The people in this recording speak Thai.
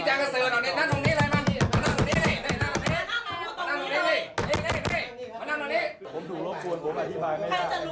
ให้พญาปังคนที่พูดกับน้องเขามาเลยมา